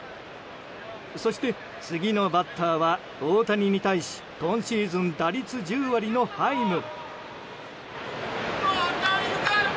そして次のバッターは大谷に対し今シーズン打率１０割のハイム。